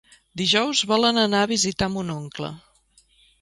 Dijous volen anar a visitar mon oncle.